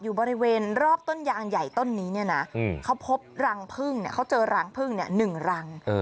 อยู่บริเวณรอบต้นยางใหญ่ต้นนี้นะเขาพบรังผึ้งเขาเจอรังผึ้ง๑รัง